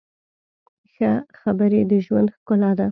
ښه خبرې د ژوند ښکلا ده.